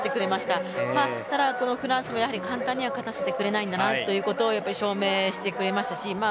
ただフランスも簡単に勝たせてはくれないということを証明してくれました。